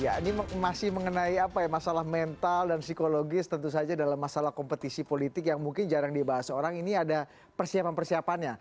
ya ini masih mengenai apa ya masalah mental dan psikologis tentu saja dalam masalah kompetisi politik yang mungkin jarang dibahas orang ini ada persiapan persiapannya